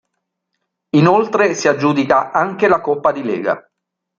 Inoltre si aggiudica anche la Coppa di Lega.